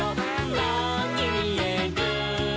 「なんにみえる？